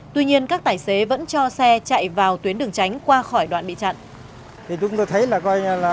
tuy nhiên các tài xế vẫn cho xe chạy vào tuyến đường